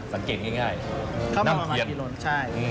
สังเกตง่ายน้ำเทียนเข้ามาประมาณกี่โลลิเมตรใช่